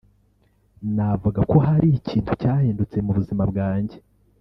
navuga ko hari ikintu cyahindutse mu buzima bwanjye